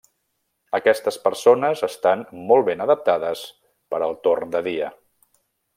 Aquestes persones estan molt ben adaptades per al torn de dia.